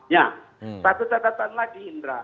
ya satu catatan lagi indra